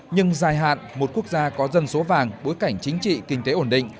nhưng dài hạn một quốc gia có dân số vàng bối cảnh chính trị kinh tế ổn định